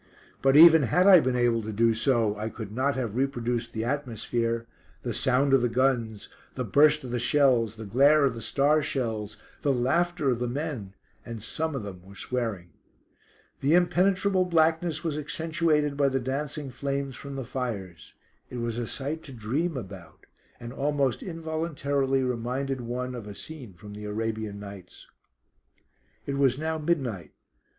But even had I been able to do so I could not have reproduced the atmosphere, the sound of the guns, the burst of the shells, the glare of the star shells, the laughter of the men and some of them were swearing. The impenetrable blackness was accentuated by the dancing flames from the fires. It was a sight to dream about; and almost involuntarily reminded one of a scene from the Arabian Nights. It was now midnight.